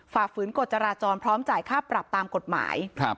ฝืนกฎจราจรพร้อมจ่ายค่าปรับตามกฎหมาย